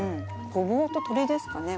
ごぼうと鶏ですかね